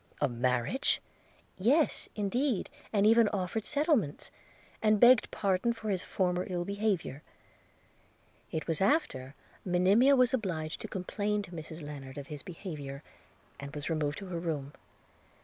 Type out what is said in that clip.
'Of marriage!' 'Yes indeed, and even offered settlements – and begged pardon for his former ill behaviour: it was after Monimia was obliged to complain to Mrs Lennard of his behaviour, and was removed to her room.